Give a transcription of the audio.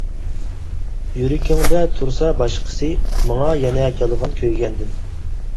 يۈرىكىڭدە تۇرسا باشقىسى، ماڭا يەنە يالغان كۆيگەندىن.